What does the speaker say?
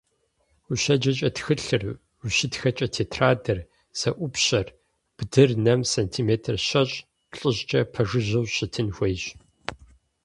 УщеджэкӀэ тхылъыр, ущытхэкӀэ тетрадыр, зэӀупщэр, бдыр нэм сантиметр щэщӀ—плӀыщӀкӀэ пэжыжьэу щытын хуейщ.